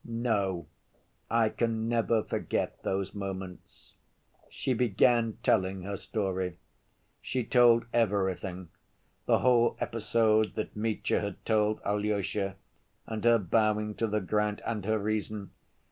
No, I can never forget those moments. She began telling her story. She told everything, the whole episode that Mitya had told Alyosha, and her bowing to the ground, and her reason.